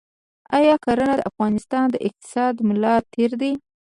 آیا کرنه د افغانستان د اقتصاد ملا تیر دی؟